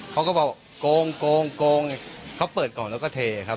เค้าก็บอกโกงโกงโกงเค้าเปิดกล่องแล้วก็เทครับ